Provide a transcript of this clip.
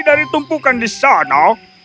dari tumpukan di sana